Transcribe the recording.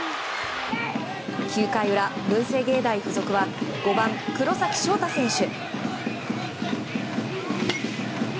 ９回裏、文星芸大附属は５番、黒崎翔太選手。